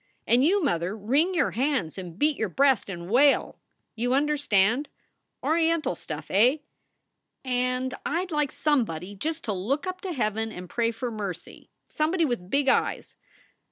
And you, mother, wring your hands and beat your breast and wail. You under stand Oriental stuff, eh? ... And I d like somebody just to look up to heaven and pray for mercy somebody with big eyes.